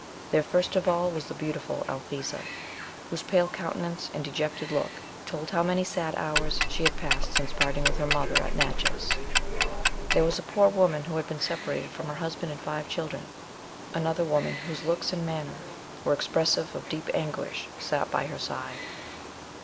There, first of all, was the beautiful Althesa, whose pale countenance and dejected look told how many sad hours she had passed since parting with her mother at Natchez. There was a poor woman who had been separated from her husband and five children. Another woman, whose looks and manner were expressive of deep anguish, sat by her side.